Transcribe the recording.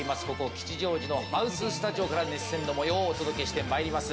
吉祥寺のハウススタジオから熱戦の模様をお届けしてまいります。